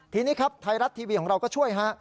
ทีนี้ครับไทยรัฐทีวีของเราก็ช่วยฮะ